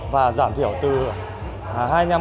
và giảm thiểu từ hai mươi năm lọ sản phẩm